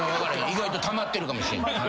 意外とたまってるかもしれん。